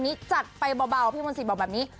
นี้จัดไปเบาพี่มนตรีบอกแบบนี้